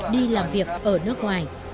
đi làm việc ở nước ngoài